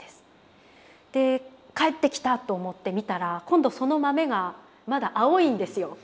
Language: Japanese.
で帰ってきたと思って見たら今度その豆がまだ青いんですよ。